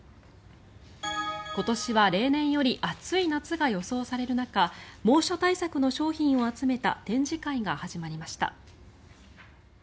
今年は例年より暑い夏が予想される中猛暑対策の商品を集めた展示会が始まりました。